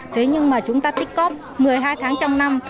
thế nhưng mà chúng ta tích cóp một mươi hai tháng trong năm